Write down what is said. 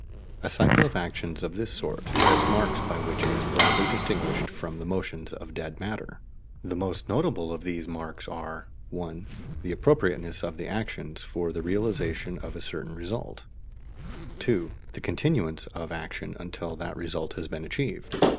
A cycle of actions of this sort has marks by which it is broadly distinguished from the motions of dead matter. The most notable of these marks are (1) the appropriateness of the actions for the realization of a certain result; (2) the continuance of action until that result has been achieved.